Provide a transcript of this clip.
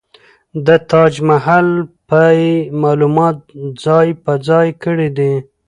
د تاج محل په يې معلومات ځاى په ځاى کړي دي.